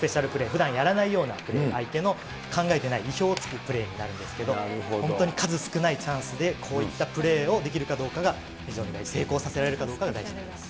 ふだんやらないようなプレー、相手の考えていない、意表を突くプレーになるんですけれども、本当に数少ないチャンスでこういったプレーをできるかどうかが非常に大事、成功させられるかどうかが大事になります。